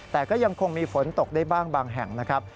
แต่ก็ยังคงมีฝนตกได้บ้างบางแห่งนะครับ